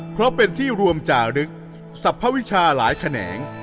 เพราะเป็นที่รวมจารึกสรรพวิชาหลายแขนง